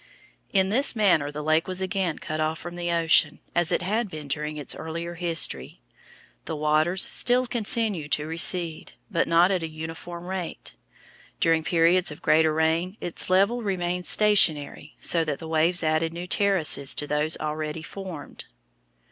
In this manner the lake was again cut off from the ocean, as it had been during its earlier history. The waters still continued to recede, but not at a uniform rate. During periods of greater rain its level remained stationary, so that the waves added new terraces to those already formed.